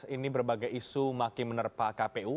ini berbagai isu makin menerpa kpu